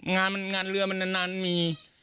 งานเรือมันนานมี